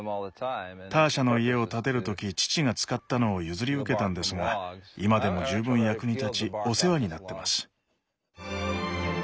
ターシャの家を建てる時父が使ったのを譲り受けたんですが今でも十分役に立ちお世話になってます。